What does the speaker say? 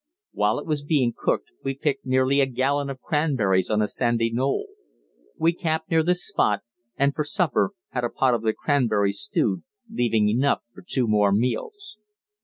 While it was being cooked we picked nearly a gallon of cranberries on a sandy knoll. We camped near this spot, and for supper had a pot of the cranberries stewed, leaving enough for two more meals.